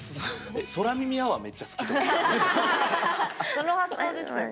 その発想ですよね。